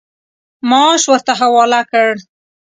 معاش ورته حواله کړ.